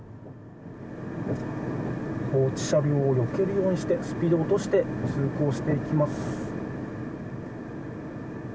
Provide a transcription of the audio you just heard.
放置車両をよけるようにしてスピードを落として通行していきます。